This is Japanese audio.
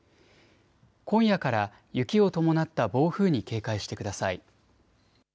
今夜から雪を伴った暴風に警戒してください。